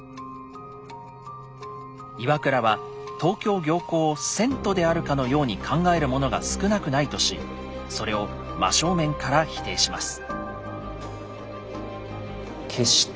岩倉は東京行幸を遷都であるかのように考える者が少なくないとしそれを真正面から否定します。